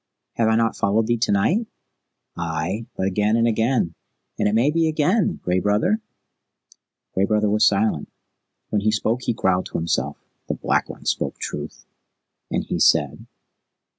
"Have I not followed thee to night?" "Ay, but again and again, and it may be again, Gray Brother?" Gray Brother was silent. When he spoke he growled to himself, "The Black One spoke truth." "And he said?"